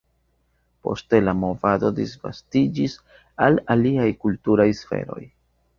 Poste la movado disvastiĝis al aliaj kulturaj sferoj.